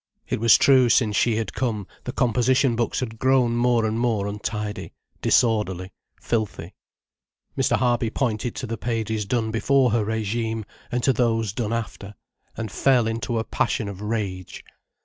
It was true, since she had come, the composition books had grown more and more untidy, disorderly, filthy. Mr. Harby pointed to the pages done before her regime, and to those done after, and fell into a passion of rage.